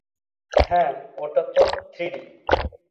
হ্যাঁ, ওটা তো থ্রিডি।